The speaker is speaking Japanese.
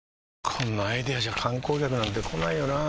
こんなアイデアじゃ観光客なんて来ないよなあ